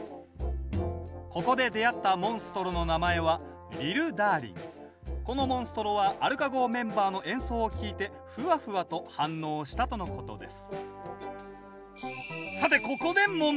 ここで出会ったモンストロの名前はこのモンストロはアルカ号メンバーの演奏を聴いてフワフワと反応したとのことです